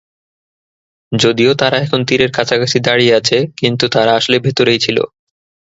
যদিও তারা এখন তীরের কাছাকাছি দাঁড়িয়ে আছে, কিন্তু তারা আসলে ভিতরেই ছিল।